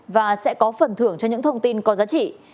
và sẽ có phần thưởng cho những thông tin có giá trị